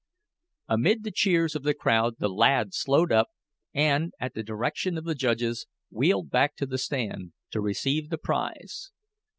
Amid the cheers of the crowd the lad slowed up, and, at the direction of the judges, wheeled back to the stand, to receive the prize.